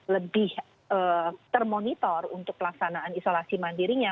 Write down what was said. lebih termonitor untuk pelaksanaan isolasi mandirinya